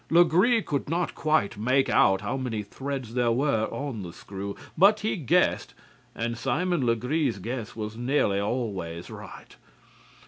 Legree could not quite make out how many threads there were on the screw, but he guessed, and Simon Legree's guess was nearly always right.